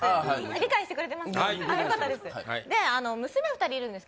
理解してくれてます？